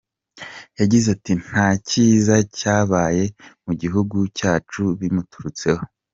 Yagize ati “Nta cyiza cyabaye mu gihugu cyacu bimuturutseho.